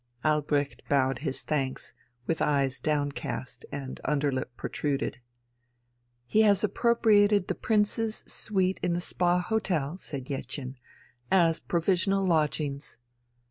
Albrecht bowed his thanks with eyes downcast and underlip protruded. "He has appropriated the Prince's suite in the Spa Hotel," said Jettchen, "as provisional lodgings."